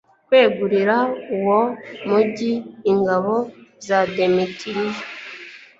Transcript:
kwegurira uwo mugi ingabo za demetiriyo